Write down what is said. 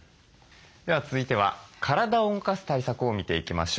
では続いては体を動かす対策を見ていきましょう。